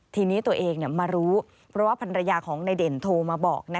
ทีนี้ตัวเองมารู้เพราะว่าภรรยาของนายเด่นโทรมาบอก